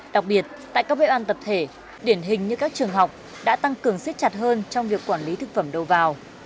đặc biệt tại các bếp ăn tập thể điển hình như các trường học đã tăng cường siết chặt hơn trong việc quản lý thực phẩm đầu vào